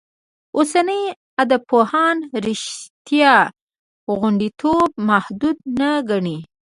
اوسني ادبپوهان رشتیا غوندېتوب محدود نه ګڼي.